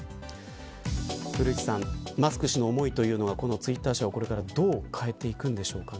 古市さんマスク氏の思いというのがツイッター社をどう変えていくんでしょうか。